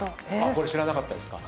これ知らなかったですか。